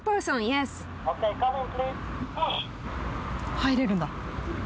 入れるんだ。